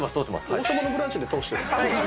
王様のブランチで通してない？